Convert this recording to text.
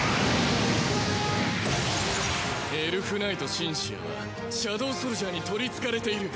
エルフナイト・シンシアはシャドウソルジャーに取りつかれている。